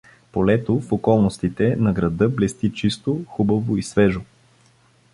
Полето в околностите на града блести чисто, хубаво и свежо.